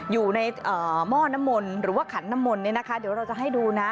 อยู่ในหม้อน้ำมนต์หรือว่าขันน้ำมนต์เนี่ยนะคะเดี๋ยวเราจะให้ดูนะ